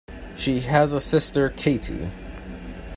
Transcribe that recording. She has a sister Katie.